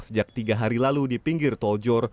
sejak tiga hari lalu di pinggir tol jor